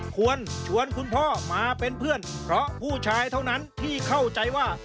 ควรชวนคุณพ่อมาเป็นเพื่อนเพราะผู้ชายเท่านั้นที่เข้าใจว่า